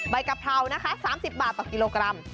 กะเพรานะคะ๓๐บาทต่อกิโลกรัม